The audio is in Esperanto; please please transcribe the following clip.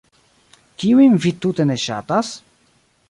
Kiujn vi tute ne ŝatas?